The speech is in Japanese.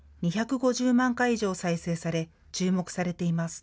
２５０万回以上再生され注目されています。